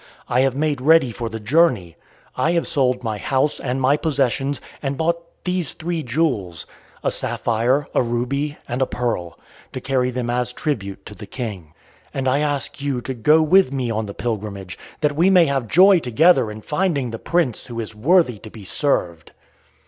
I have made ready for the journey. I have sold my house and my possessions, and bought these three jewels a sapphire, a ruby, and a pearl to carry them as tribute to the King. And I ask you to go with me on the pilgrimage, that we may have joy together in finding the Prince who is worthy to be served."